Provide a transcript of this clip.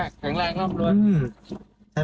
แข็งแรงก้อนครบ